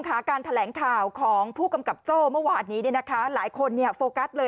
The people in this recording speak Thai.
การแถลงข่าวของผู้กำกับโจ้เมื่อวานนี้หลายคนโฟกัสเลย